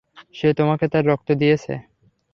সে তোমাকে তার রক্ত দিয়েছে।